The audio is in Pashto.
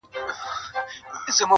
نکړې چا راټولي ستا تر غېږي اواره ګرځي,